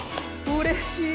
うれしい！